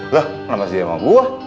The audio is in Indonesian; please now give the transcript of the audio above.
lah kenapa sih dia sama gua